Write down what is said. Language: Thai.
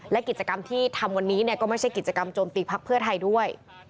และกิจกรรมที่ทำวันนี้ก็ไม่ใช่กิจกรรมโจมตีพักเพื่อไทยด้วย